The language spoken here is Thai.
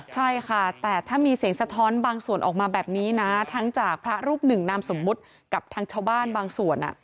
ใช่ค่ะแต่ถ้ามีเสียงสะท้อนบางส่วนออกมาแบบนี้นะทั้งจากพระรูปหนึ่งนามสมมุติกับทางชาวบ้านบางส่วน